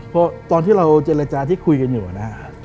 เพราะตอนที่เราเจรจาที่คุยกันอยู่นะครับ